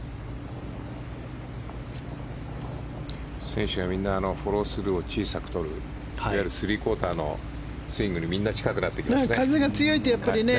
選手はみんなフォロースルーを小さくとるいわゆる３クオーターのスイングにみんな近くなってきましたね。